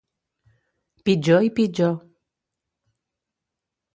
Pitjor i pitjor.